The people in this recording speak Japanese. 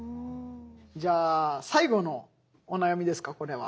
じゃあ最後のお悩みですかこれは。